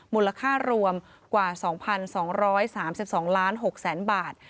มูลค่ารวมกว่า๒๒๓๒๖๐๐๐บาท